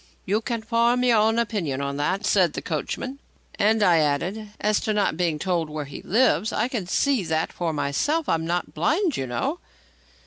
"You can form your own opinion on that," said the coachman. "And," I added, "as to not being told where he lives, I can see that for myself. I'm not blind, you know."